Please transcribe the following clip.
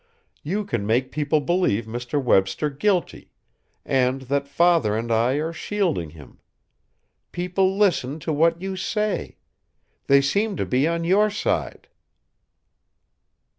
You can make people believe Mr. Webster guilty, and that father and I are shielding him. People listen to what you say. They seem to be on your side."